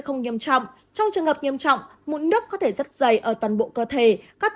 không nghiêm trọng trong trường hợp nghiêm trọng mụn nước có thể rất dày ở toàn bộ cơ thể các